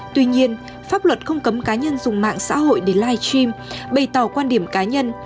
tuy nhiên pháp luật không cấm cá nhân dùng mạng xã hội để live stream bày tỏ quan điểm cá nhân